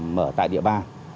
mở tại địa bàn